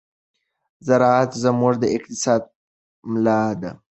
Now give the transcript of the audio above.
زراعت زموږ د اقتصاد ملا ده.